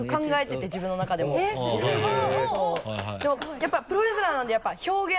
やっぱプロレスラーなんで表現。